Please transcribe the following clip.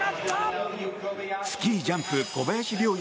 スキージャンプ小林陵